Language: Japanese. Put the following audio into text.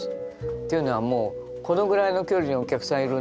っていうのはもうこのぐらいの距離にお客さんいるんですよ。